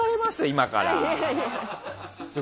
今から。